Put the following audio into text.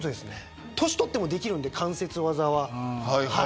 年取ってもできるので関節技は。